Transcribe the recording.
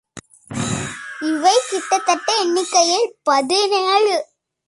இவை கிட்டத்தட்ட எண்ணிக்கையில் பதினேழு .